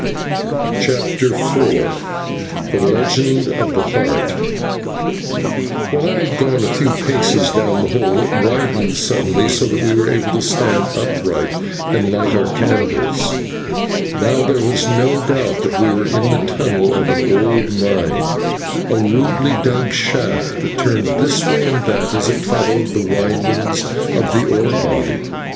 CHAPTER IV THE LEGEND OF THE HEART When I had gone a few paces down the hole, it widened suddenly, so that we were able to stand upright and light our candles. Now there was no doubt that we were in the tunnel of an old mine, a rudely dug shaft that turned this way and that as it followed the windings of the ore body.